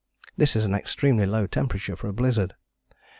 This is an extremely low temperature for a blizzard.